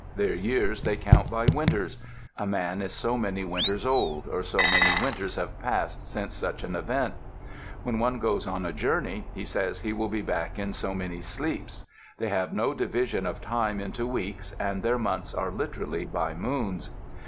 Their years they count by winters. A man is so many winters old, or so many winters have passed since such an event. When one goes on a journey, he says he will be back in so many sleeps. They have no division of time into weeks, and their months are literally by moons.